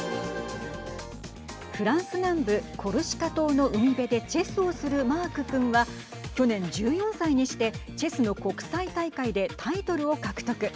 フランス南部、コルシカ島の海辺でチェスをするマーク君は去年１４歳にしてチェスの国際大会でタイトルを獲得。